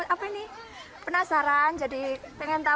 saya coba kesini aja jadi pengen tau